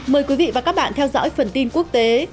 mời quý vị và các bạn theo dõi phần tin quốc tế